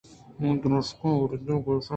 ما دْرشتگیں آرتاں گیش ایں